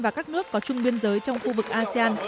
và các nước có chung biên giới trong khu vực asean